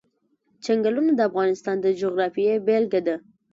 چنګلونه د افغانستان د جغرافیې بېلګه ده.